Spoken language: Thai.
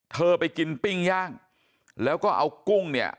เธอไปกินปิ้งย่างแล้วก็เอากุ้งเนี่ย